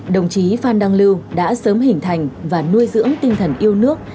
đồng chí phan đăng lưu đã sớm hình thành và nuôi dưỡng tinh thần yêu nước